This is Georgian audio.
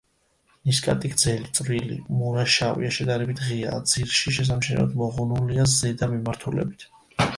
ნისკარტი გრძელი, წვრილი, მურა-შავია, შედარებით ღიაა ძირში; შესამჩნევად მოღუნულია ზედა მიმართულებით.